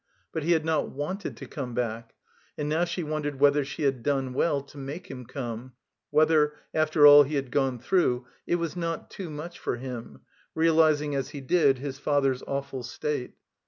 But he had not wanted to come back; and now she wondered whether she had done well to make him come, whether (after all he had gone through) it was not too much for him, realizing as he did his father's awful state.